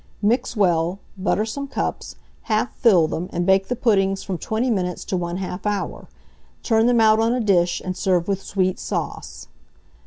Mix well, butter some cups, half fill them, and bake the puddings from 20 minutes to 1/2 hour. Turn them out on a dish, and serve with sweet sauce.